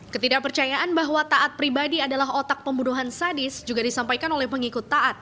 ketidakpercayaan bahwa taat pribadi adalah otak pembunuhan sadis juga disampaikan oleh pengikut taat